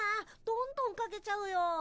どんどんかけちゃうよ。